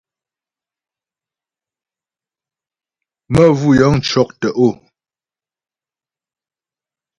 Məvʉ́ yə̂ŋ cɔ́k tə̀'ó.